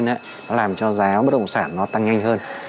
những yếu tố trên nó làm cho giá bất động sản nó tăng nhanh hơn